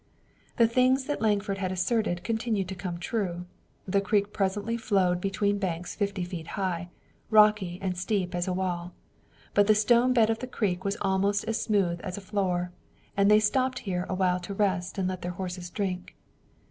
The things that Lankford had asserted continued to come true. The creek presently flowed between banks fifty feet high, rocky and steep as a wall. But the stone bed of the creek was almost as smooth as a floor, and they stopped here a while to rest and let their horses drink.